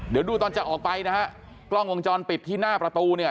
เดี๋ยวดูตอนจะออกไปนะฮะกล้องวงจรปิดที่หน้าประตูเนี่ย